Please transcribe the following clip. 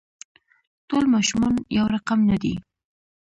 ټول ماشومان يو رقم نه دي.